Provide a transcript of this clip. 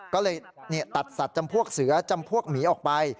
ก็เลยตัดสัตว์จำพวกเสือจำพวกหมีออกไป